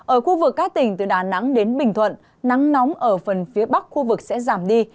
ở khu vực các tỉnh từ đà nẵng đến bình thuận nắng nóng ở phần phía bắc khu vực sẽ giảm đi